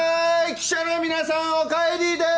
記者の皆さんお帰りです！